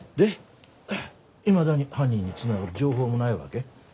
いまだに犯人につながる情報もないわけ？